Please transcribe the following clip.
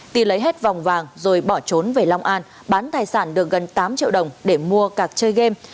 ti lấy hết vòng vàng rồi bỏ trốn về long an bán tài sản được gần tám triệu đồng để mua cạc chơi game